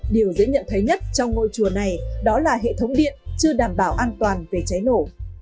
điều dễ nhận thấy nhất trong ngôi chùa này đó là hệ thống điện chưa đảm bảo an toàn về cháy nổ